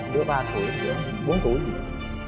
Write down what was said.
đứa ba tuổi đứa bốn tuổi